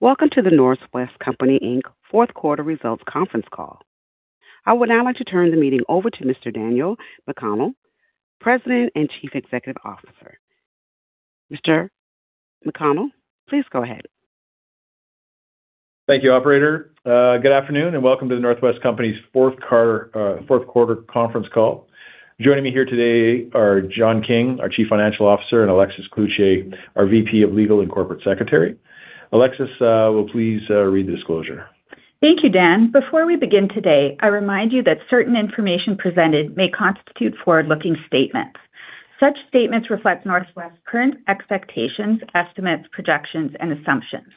Welcome to The North West Company Inc. fourth quarter results conference call. I would now like to turn the meeting over to Mr. Daniel McConnell, President and Chief Executive Officer. Mr. McConnell, please go ahead. Thank you, operator. Good afternoon, and welcome to The North West Company's fourth quarter conference call. Joining me here today are John King, our Chief Financial Officer, and Alexis Cloutier, our VP of Legal and Corporate Secretary. Alexis will please read the disclosure. Thank you, Dan. Before we begin today, I remind you that certain information presented may constitute forward-looking statements. Such statements reflect North West's current expectations, estimates, projections, and assumptions.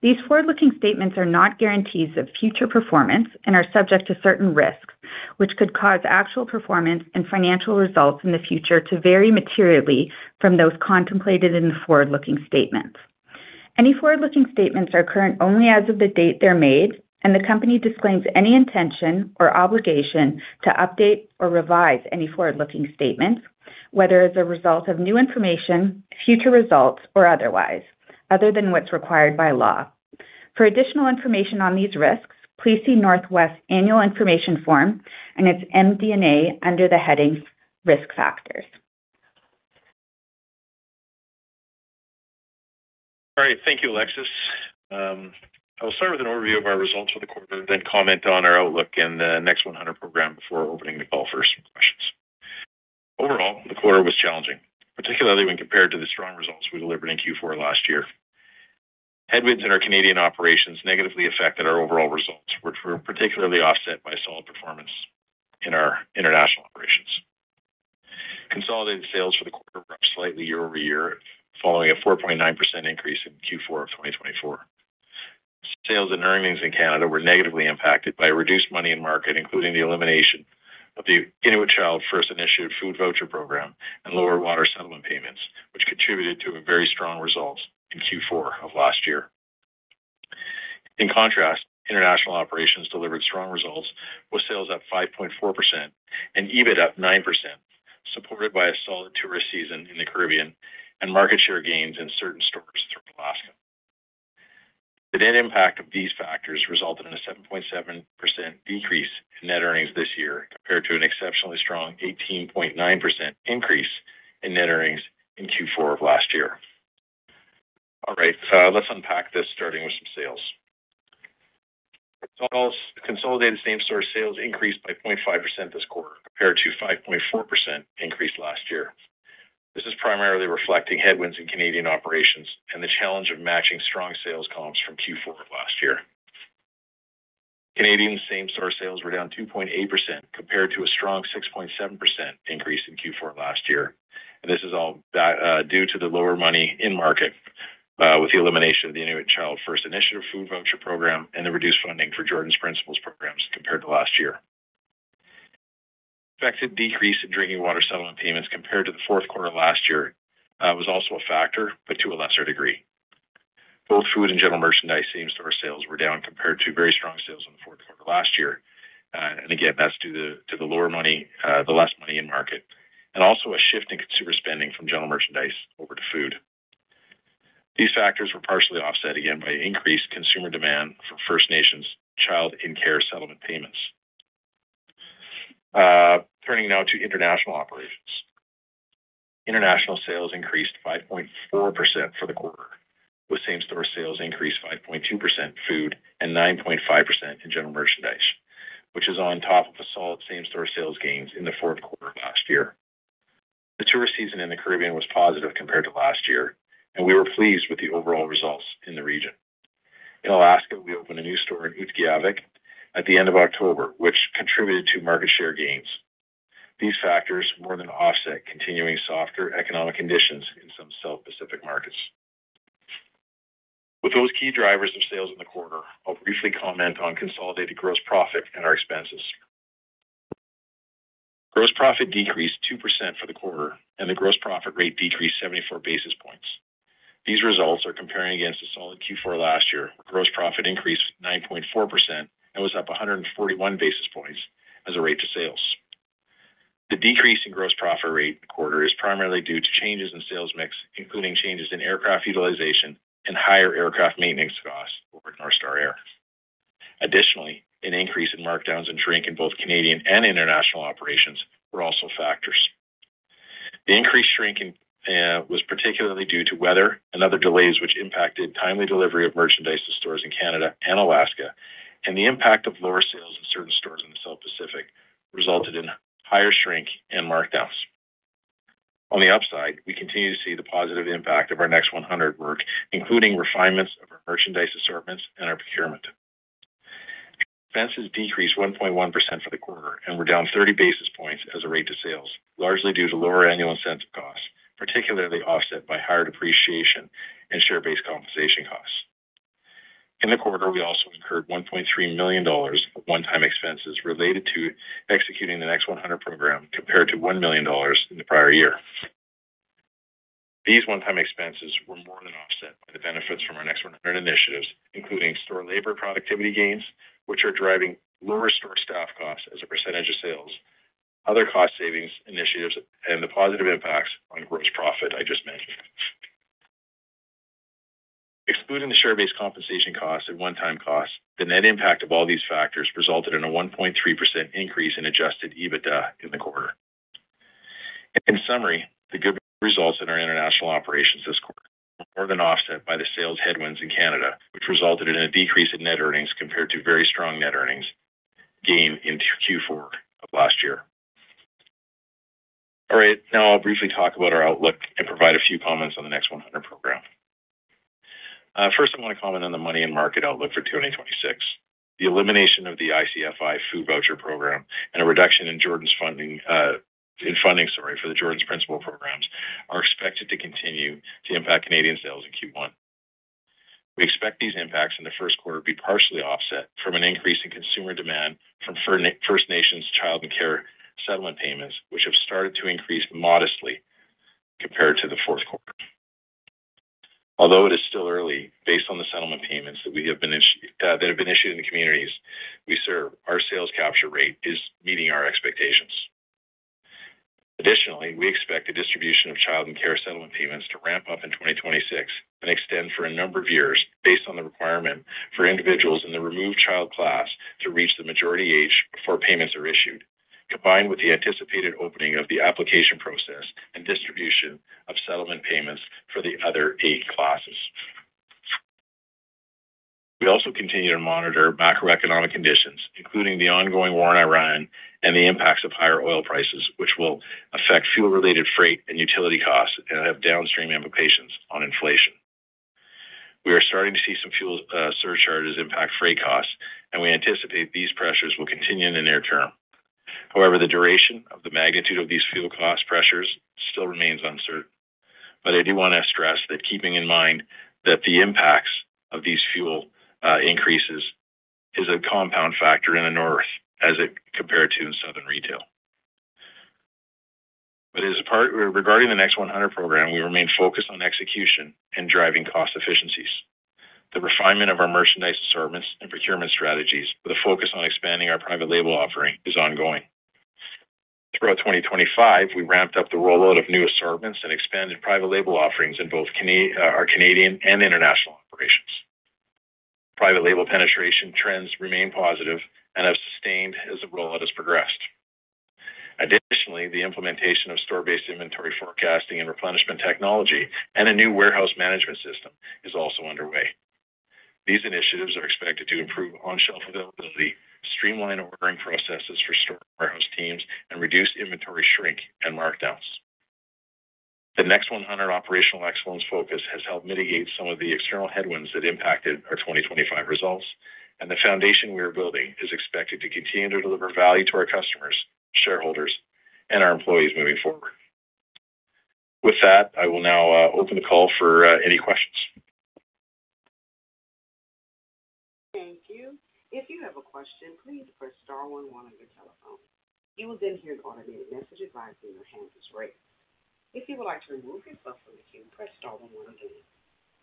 These forward-looking statements are not guarantees of future performance and are subject to certain risks, which could cause actual performance and financial results in the future to vary materially from those contemplated in the forward-looking statements. Any forward-looking statements are current only as of the date they're made, and the company disclaims any intention or obligation to update or revise any forward-looking statements, whether as a result of new information, future results, or otherwise, other than what's required by law. For additional information on these risks, please see North West's annual information form and its MD&A under the heading "Risk Factors." All right. Thank you, Alexis. I'll start with an overview of our results for the quarter, then comment on our outlook and the Next 100 program before opening the call for some questions. Overall, the quarter was challenging, particularly when compared to the strong results we delivered in Q4 last year. Headwinds in our Canadian operations negatively affected our overall results, which were particularly offset by solid performance in our international operations. Consolidated sales for the quarter were up slightly year-over-year, following a 4.9% increase in Q4 of 2024. Sales and earnings in Canada were negatively impacted by reduced money in-market, including the elimination of the Inuit Child First Initiative Food Voucher Program and lower drinking water settlement payments, which contributed to very strong results in Q4 of last year. In contrast, international operations delivered strong results, with sales up 5.4% and EBIT up 9%, supported by a solid tourist season in the Caribbean and market share gains in certain stores through Alaska. The net impact of these factors resulted in a 7.7% decrease in net earnings this year compared to an exceptionally strong 18.9% increase in net earnings in Q4 of last year. All right, let's unpack this, starting with some sales. Total consolidated same-store sales increased by 0.5% this quarter compared to 5.4% increase last year. This is primarily reflecting headwinds in Canadian operations and the challenge of matching strong sales comps from Q4 of last year. Canadian same-store sales were down 2.8% compared to a strong 6.7% increase in Q4 last year, and this is all due to the lower money in-market with the elimination of the Inuit Child First Initiative Food Voucher Program and the reduced funding for Jordan's Principles programs compared to last year. Expected decrease in drinking water settlement payments compared to the fourth quarter last year was also a factor, but to a lesser degree. Both food and general merchandise same-store sales were down compared to very strong sales in the fourth quarter last year. Again, that's due to the less money in-market and also a shift in consumer spending from general merchandise over to food. These factors were partially offset again by increased consumer demand for First Nations child in-care settlement payments. Turning now to international operations. International sales increased 5.4% for the quarter, with same-store sales increased 5.2% in food and 9.5% in general merchandise, which is on top of the solid same-store sales gains in the fourth quarter of last year. The tourist season in the Caribbean was positive compared to last year, and we were pleased with the overall results in the region. In Alaska, we opened a new store in Utqiagvik at the end of October, which contributed to market share gains. These factors more than offset continuing softer economic conditions in some South Pacific markets. With those key drivers of sales in the quarter, I'll briefly comment on consolidated gross profit and our expenses. Gross profit decreased 2% for the quarter, and the gross profit rate decreased 74 basis points. These results are comparing against a solid Q4 last year, where gross profit increased 9.4% and was up 141 basis points as a rate to sales. The decrease in gross profit rate in the quarter is primarily due to changes in sales mix, including changes in aircraft utilization and higher aircraft maintenance costs over at North Star Air. Additionally, an increase in markdowns and shrink in both Canadian and international operations were also factors. The increased shrink was particularly due to weather and other delays, which impacted timely delivery of merchandise to stores in Canada and Alaska, and the impact of lower sales in certain stores in the South Pacific resulted in higher shrink and markdowns. On the upside, we continue to see the positive impact of our Next 100 work, including refinements of our merchandise assortments and our procurement. Expenses decreased 1.1% for the quarter and were down 30 basis points as a rate to sales, largely due to lower annual incentive costs, particularly offset by higher depreciation and share-based compensation costs. In the quarter, we also incurred 1.3 million dollars of one-time expenses related to executing the Next 100 program compared to 1 million dollars in the prior year. These one-time expenses were more than offset by the benefits from our Next 100 initiatives, including store labor productivity gains, which are driving lower store staff costs as a percentage of sales. Other cost savings initiatives and the positive impacts on gross profit I just mentioned. Excluding the share-based compensation costs and one-time costs, the net impact of all these factors resulted in a 1.3% increase in adjusted EBITDA in the quarter. In summary, the good results in our international operations this quarter were more than offset by the sales headwinds in Canada, which resulted in a decrease in net earnings compared to very strong net earnings gained in Q4 of last year. All right. Now I'll briefly talk about our outlook and provide a few comments on the Next 100 program. First, I want to comment on the macro and market outlook for 2026. The elimination of the ICFI Food Voucher Program and a reduction in funding for the Jordan's Principle programs are expected to continue to impact Canadian sales in Q1. We expect these impacts in the first quarter to be partially offset from an increase in consumer demand from First Nations Child and Care settlement payments, which have started to increase modestly compared to the fourth quarter. Although it is still early, based on the settlement payments that have been issued in the communities we serve, our sales capture rate is meeting our expectations. Additionally, we expect the distribution of Child and Care settlement payments to ramp up in 2026 and extend for a number of years based on the requirement for individuals in the Removed Child Class to reach the majority age before payments are issued, combined with the anticipated opening of the application process and distribution of settlement payments for the other eight classes. We also continue to monitor macroeconomic conditions, including the ongoing war in Iran and the impacts of higher oil prices, which will affect fuel-related freight and utility costs and have downstream implications on inflation. We are starting to see some fuel surcharges impact freight costs, and we anticipate these pressures will continue in the near term. However, the duration of the magnitude of these fuel cost pressures still remains uncertain. I do want to stress that keeping in mind that the impacts of these fuel increases is a compound factor in the north as compared to in southern retail. Regarding the Next 100 program, we remain focused on execution and driving cost efficiencies. The refinement of our merchandise assortments and procurement strategies with a focus on expanding our private label offering is ongoing. Throughout 2025, we ramped up the rollout of new assortments and expanded private label offerings in both our Canadian and international operations. Private label penetration trends remain positive and have sustained as the rollout has progressed. Additionally, the implementation of store-based inventory forecasting and replenishment technology and a new warehouse management system is also underway. These initiatives are expected to improve on-shelf availability, streamline ordering processes for store warehouse teams, and reduce inventory shrink and markdowns. The Next 100 operational excellence focus has helped mitigate some of the external headwinds that impacted our 2025 results, and the foundation we are building is expected to continue to deliver value to our customers, shareholders, and our employees moving forward. With that, I will now open the call for any questions. Thank you. If you have a question, please press star one one on your telephone. You will then hear an automated message advising your hand is raised. If you would like to remove yourself from the queue, press star one one again.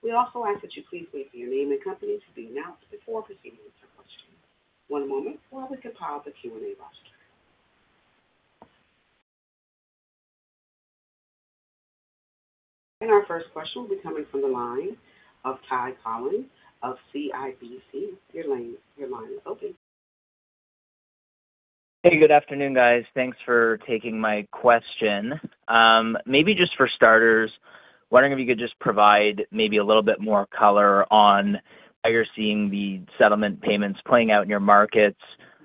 We also ask that you please wait for your name and company to be announced before proceeding with your question. One moment while we compile the Q&A roster. Our first question will be coming from the line of Ty Collin of CIBC. Your line is open. Hey, good afternoon, guys. Thanks for taking my question. Maybe just for starters, wondering if you could just provide maybe a little bit more color on how you're seeing the settlement payments playing out in your markets,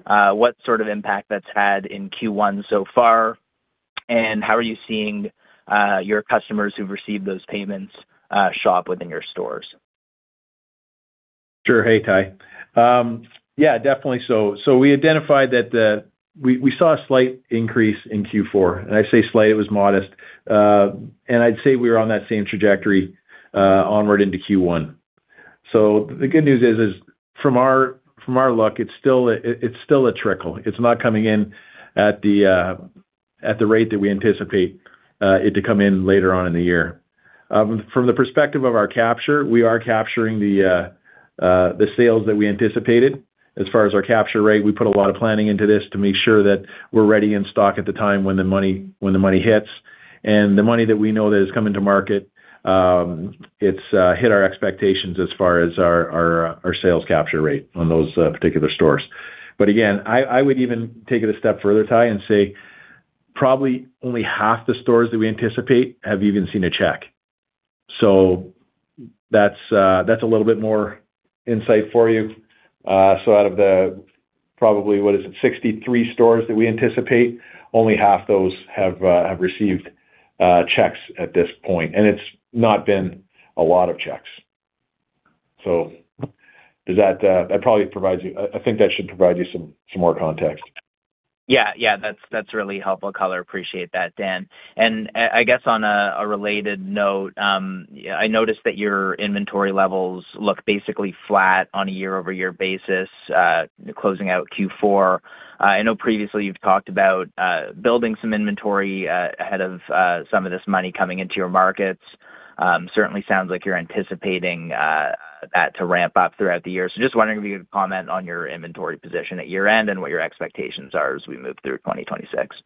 what sort of impact that's had in Q1 so far, and how are you seeing your customers who've received those payments shop within your stores? Sure. Hey, Ty. Yeah, definitely. We identified that we saw a slight increase in Q4, and I say slight, it was modest. I'd say we were on that same trajectory onward into Q1. The good news is, from our luck, it's still a trickle. It's not coming in at the rate that we anticipate it to come in later on in the year. From the perspective of our capture, we are capturing the sales that we anticipated. As far as our capture rate, we put a lot of planning into this to make sure that we're ready in stock at the time when the money hits. The money that we know that is coming to market, it's hit our expectations as far as our sales capture rate on those particular stores. again, I would even take it a step further, Ty, and say probably only half the stores that we anticipate have even seen a check. That's a little bit more insight for you. Out of the probably, what is it, 63 stores that we anticipate, only half those have received checks at this point, and it's not been a lot of checks. I think that should provide you some more context. Yeah. That's really helpful color. Appreciate that, Dan. I guess on a related note, I noticed that your inventory levels look basically flat on a year-over-year basis closing out Q4. I know previously you've talked about building some inventory ahead of some of this money coming into your markets. Certainly sounds like you're anticipating that to ramp up throughout the year. Just wondering if you could comment on your inventory position at year-end and what your expectations are as we move through 2026.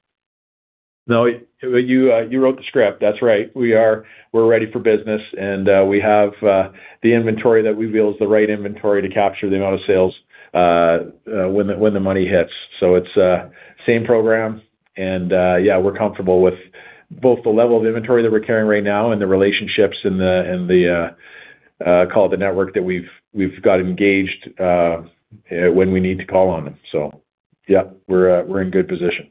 No, you wrote the script. That's right. We're ready for business, and we have the inventory that we feel is the right inventory to capture the amount of sales when the money hits. It's same program. Yeah, we're comfortable with both the level of inventory that we're carrying right now and the relationships and call it the network that we've got engaged when we need to call on them. Yeah, we're in good position.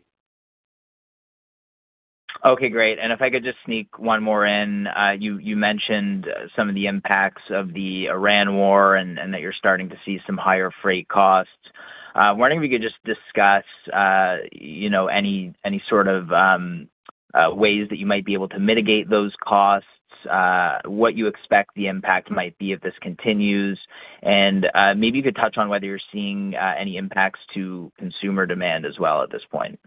Okay, great. If I could just sneak one more in. You mentioned some of the impacts of the Iran war and that you're starting to see some higher freight costs. I'm wondering if you could just discuss any sort of ways that you might be able to mitigate those costs, what you expect the impact might be if this continues, and maybe you could touch on whether you're seeing any impacts to consumer demand as well at this point.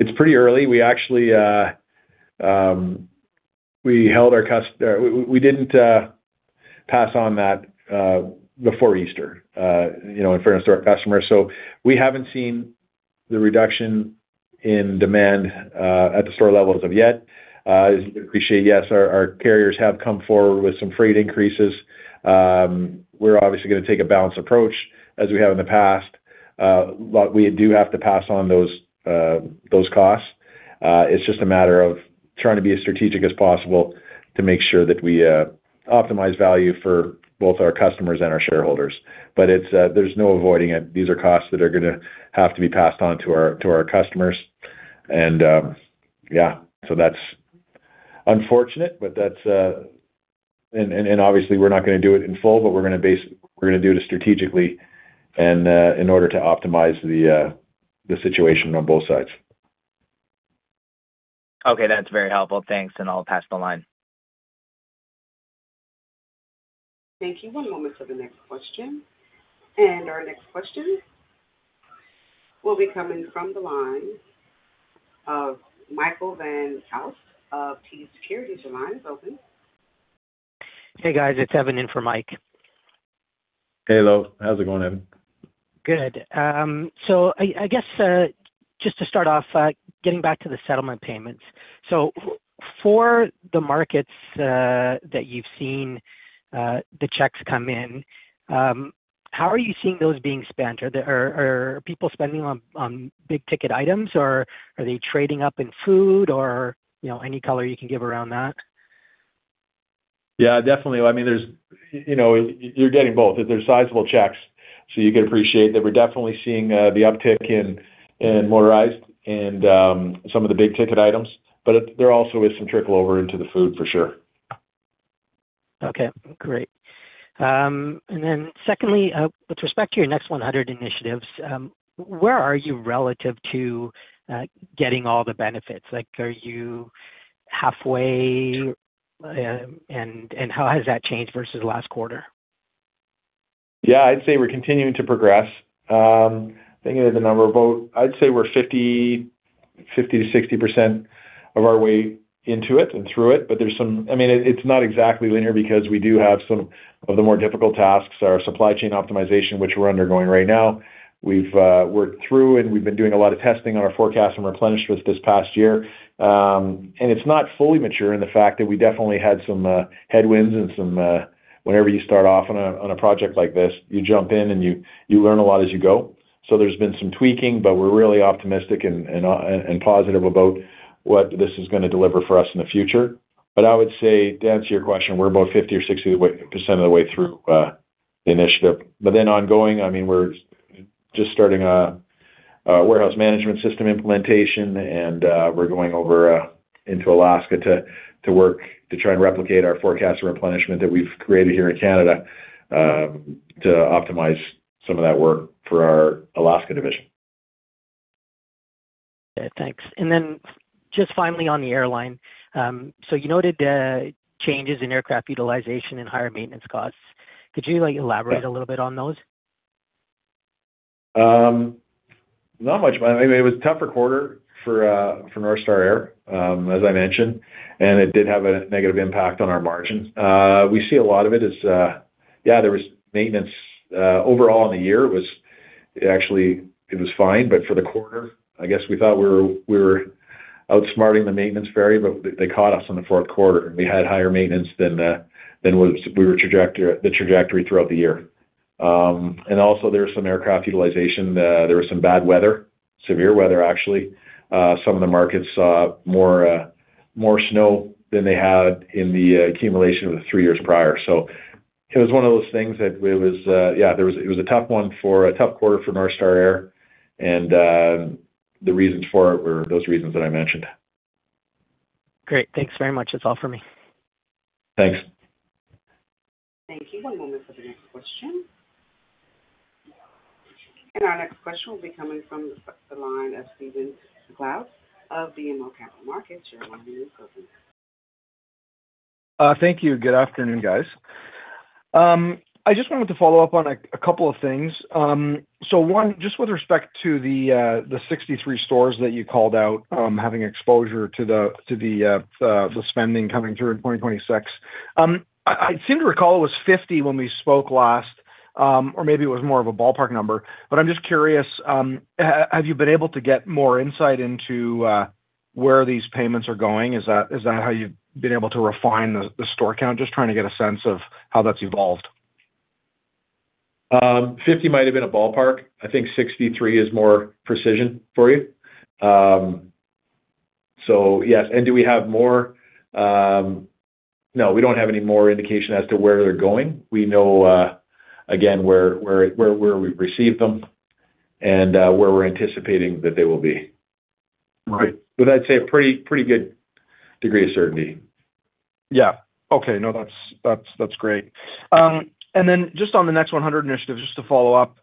It's pretty early. We didn't pass on that before Easter in fairness to our customers. We haven't seen the reduction in demand at the store level as of yet. As you can appreciate, yes, our carriers have come forward with some freight increases. We're obviously going to take a balanced approach as we have in the past. We do have to pass on those costs. It's just a matter of trying to be as strategic as possible to make sure that we optimize value for both our customers and our shareholders. There's no avoiding it. These are costs that are going to have to be passed on to our customers, and yeah. That's unfortunate, and obviously we're not going to do it in full, but we're going to do it strategically and in order to optimize the situation on both sides. Okay, that's very helpful. Thanks, and I'll pass the line. Thank you. One moment for the next question. Our next question will be coming from the line of Michael Van Aelst of TD Securities. Your line is open. Hey, guys, it's Evan in for Mike. Hey, hello. How's it going, Evan? Good. I guess, just to start off, getting back to the settlement payments. For the markets that you've seen the checks come in, how are you seeing those being spent? Are people spending on big ticket items or are they trading up in food or any color you can give around that? Yeah, definitely. You're getting both. They're sizable checks, so you can appreciate that we're definitely seeing the uptick in motorized and some of the big ticket items, but there also is some trickle over into the food for sure. Okay, great. Secondly, with respect to your Next 100 initiatives, where are you relative to getting all the benefits? Like, are you halfway, and how has that changed versus last quarter? Yeah, I'd say we're continuing to progress. Thinking of the number of both, I'd say we're 50%-60% of our way into it and through it. It's not exactly linear because we do have some of the more difficult tasks, our supply chain optimization, which we're undergoing right now. We've worked through and we've been doing a lot of testing on our forecast and replenishment this past year. It's not fully mature in the fact that we definitely had some headwinds and some whenever you start off on a project like this, you jump in and you learn a lot as you go. There's been some tweaking, but we're really optimistic and positive about what this is going to deliver for us in the future. I would say, to answer your question, we're about 50% or 60% of the way through the initiative. Ongoing, we're just starting a warehouse management system implementation and we're going over into Alaska to work to try and replicate our forecast replenishment that we've created here in Canada to optimize some of that work for our Alaska division. Okay, thanks. Just finally on the airline. You noted the changes in aircraft utilization and higher maintenance costs. Could you elaborate a little bit on those? Not much. It was a tougher quarter for North Star Air, as I mentioned, and it did have a negative impact on our margins. We see a lot of it as, yeah, there was maintenance. Overall in the year, it was fine, but for the quarter, I guess we thought we were outsmarting the maintenance fairy, but they caught us in the fourth quarter and we had higher maintenance than the trajectory throughout the year. Also there was some aircraft utilization. There was some bad weather, severe weather actually. Some of the markets saw more snow than they had in the accumulation of the three years prior. It was one of those things that it was a tough quarter for North Star Air, and the reasons for it were those reasons that I mentioned. Great. Thanks very much. That's all for me. Thanks. Thank you. One moment for the next question. Our next question will be coming from the line of Steven MacLeod of BMO Capital Markets. Your line is open. Thank you. Good afternoon, guys. I just wanted to follow up on a couple of things. One, just with respect to the 63 stores that you called out having exposure to the spending coming through in 2026. I seem to recall it was 50 when we spoke last. Or maybe it was more of a ballpark number. I'm just curious, have you been able to get more insight into where these payments are going? Is that how you've been able to refine the store count? Just trying to get a sense of how that's evolved. 50 might have been a ballpark. I think 63 is more precision for you. Yes. Do we have more? No, we don't have any more indication as to where they're going. We know, again, where we received them and where we're anticipating that they will be. Right. With, I'd say, a pretty good degree of certainty. Yeah. Okay. No, that's great. Just on the Next 100 initiative, just to follow up,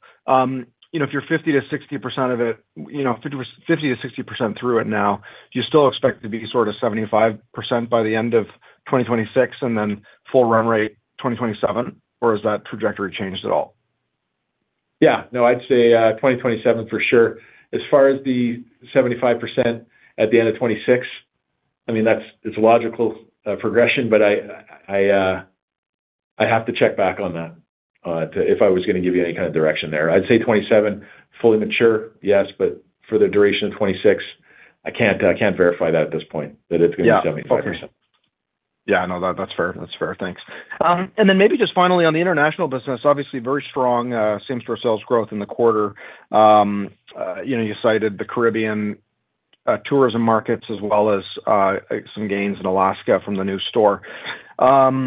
if you're 50%-60% through it now, do you still expect to be sort of 75% by the end of 2026 and then full run rate 2027? Or has that trajectory changed at all? Yeah. No, I'd say 2027 for sure. As far as the 75% at the end of 2026, it's a logical progression, but I have to check back on that if I was going to give you any kind of direction there. I'd say 2027, fully mature, yes. But for the duration of 2026, I can't verify that at this point, that it's going to be 75%. Yeah, no, that's fair. Thanks. Maybe just finally on the international business, obviously very strong same-store sales growth in the quarter. You cited the Caribbean tourism markets as well as some gains in Alaska from the new store. Have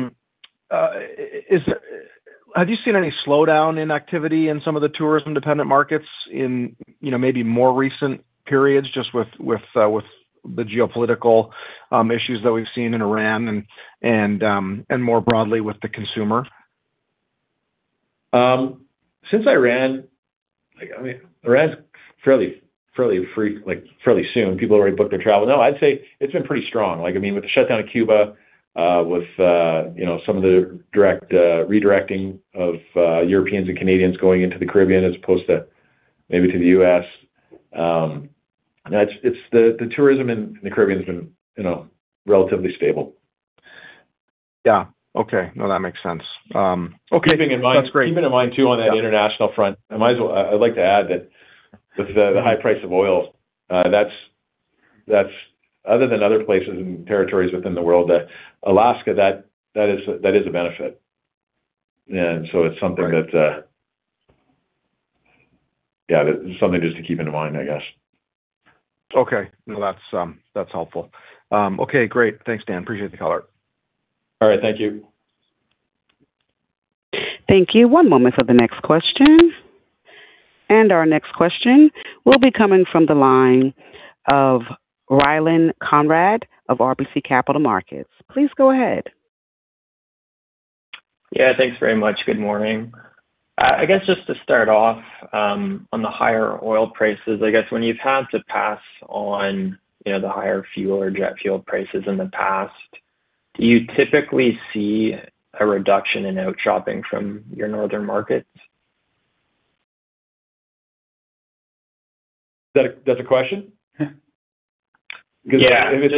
you seen any slowdown in activity in some of the tourism-dependent markets in maybe more recent periods, just with the geopolitical issues that we've seen in Iran and more broadly with the consumer? Since Iran's fairly soon. People already booked their travel. No, I'd say it's been pretty strong with the shutdown of Cuba, with some of the redirecting of Europeans and Canadians going into the Caribbean as opposed to maybe to the U.S. The tourism in the Caribbean has been relatively stable. Yeah. Okay. No, that makes sense. Okay, that's great. Keeping in mind, too, on that international front, I'd like to add that with the high price of oil, other than other places and territories within the world, Alaska, that is a benefit. It's something that Yeah, something just to keep in mind, I guess. Okay. No, that's helpful. Okay, great. Thanks, Dan. Appreciate the color. All right, thank you. Thank you. One moment for the next question. Our next question will be coming from the line of Rylan Conrad of RBC Capital Markets. Please go ahead. Yeah, thanks very much. Good morning. I guess just to start off, on the higher oil prices, I guess when you've had to pass on the higher fuel or jet fuel prices in the past, do you typically see a reduction in outshopping from your northern markets? That's a question? Yeah. Because if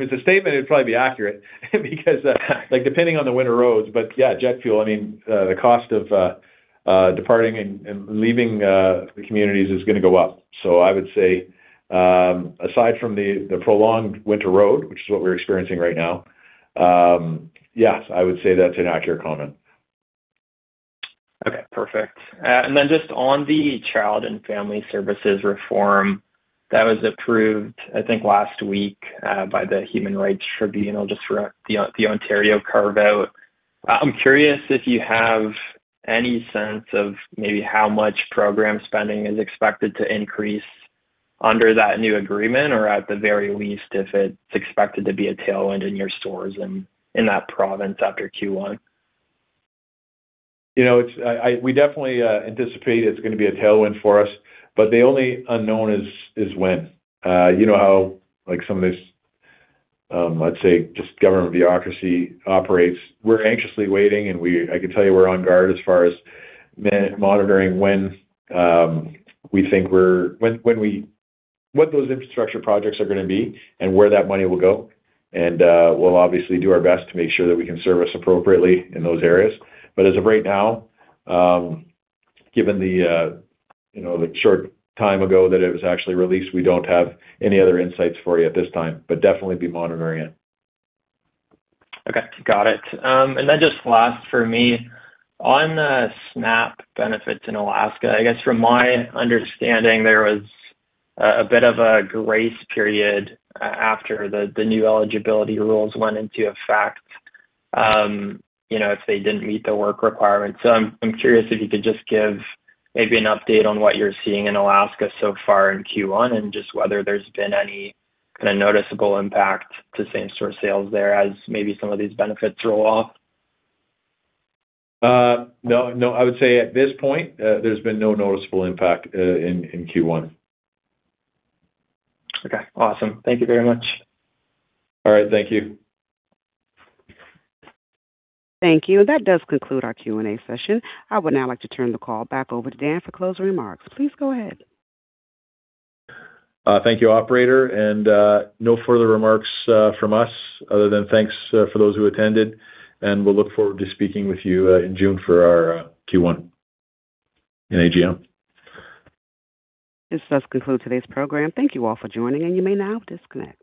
it's a statement, it'd probably be accurate because, depending on the winter roads, but yeah, jet fuel, the cost of departing and leaving the communities is going to go up. I would say, aside from the prolonged winter road, which is what we're experiencing right now, yes, I would say that's an accurate comment. Okay, perfect. Just on the Child and Family Services reform that was approved, I think, last week by the Human Rights Tribunal, just for the Ontario carve-out. I'm curious if you have any sense of maybe how much program spending is expected to increase under that new agreement or at the very least, if it's expected to be a tailwind in your stores and in that province after Q1. We definitely anticipate it's going to be a tailwind for us, but the only unknown is when. You know how some of this, let's say, just government bureaucracy operates. We're anxiously waiting, and I can tell you we're on guard as far as monitoring what those infrastructure projects are going to be and where that money will go. We'll obviously do our best to make sure that we can service appropriately in those areas. As of right now, given the short time ago that it was actually released, we don't have any other insights for you at this time, but definitely be monitoring it. Okay. Got it. Just last for me, on the SNAP benefits in Alaska, I guess from my understanding, there was a bit of a grace period after the new eligibility rules went into effect if they didn't meet the work requirements. I'm curious if you could just give maybe an update on what you're seeing in Alaska so far in Q1 and just whether there's been any kind of noticeable impact to same-store sales there as maybe some of these benefits roll off. No, I would say at this point, there's been no noticeable impact in Q1. Okay, awesome. Thank you very much. All right, thank you. Thank you. That does conclude our Q&A session. I would now like to turn the call back over to Dan for closing remarks. Please go ahead. Thank you, operator, and no further remarks from us other than thanks for those who attended, and we'll look forward to speaking with you in June for our Q1 and AGM. This does conclude today's program. Thank you all for joining, and you may now disconnect.